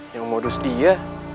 yang mau lulus dia